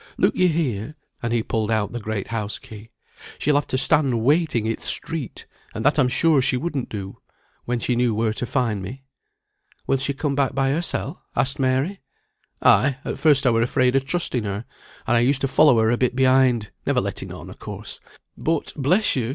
Look ye here!" and he pulled out the great house key. "She'll have to stand waiting i' th' street, and that I'm sure she wouldn't do, when she knew where to find me." "Will she come back by hersel?" asked Mary. "Ay. At first I were afraid o' trusting her, and I used to follow her a bit behind; never letting on, of course. But, bless you!